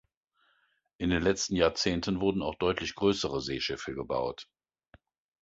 In den letzten Jahrzehnten wurden auch deutlich größere Seeschiffe gebaut.